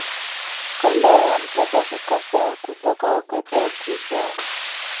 Kondo ya mtoto kukosa kutoka wakati wa kuzaa